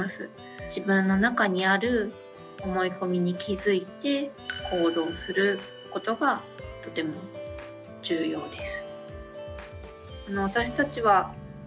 自分の中にある思い込みに気付いて行動することがとても重要です。